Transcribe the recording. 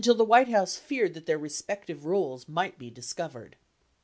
1209 the White House feared that their respective roles might be dis covered.